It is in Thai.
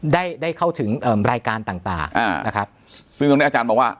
ได้ได้เข้าถึงเอ่อรายการต่างต่างอ่านะครับซึ่งตรงนี้อาจารย์มองว่า